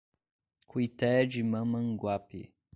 Cuité de Mamanguape